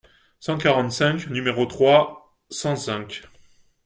cent quarante-cinq, nº trois cent cinq).